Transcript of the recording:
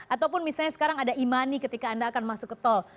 ataupun misalnya sekarang ada e money ketika anda akan masuk ke tol